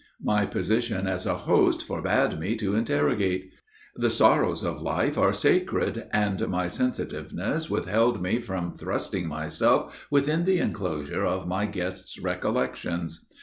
My position as a host forbade me to interrogate. The sorrows of life are sacred, and my sensitiveness withheld me from thrusting myself within the enclosure of my guest's recollections.